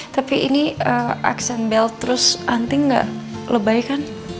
tapi ini aksen belt terus anting ga lebay kan